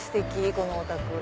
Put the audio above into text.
このお宅。